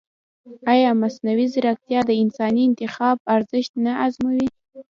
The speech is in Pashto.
ایا مصنوعي ځیرکتیا د انساني انتخاب ارزښت نه ازموي؟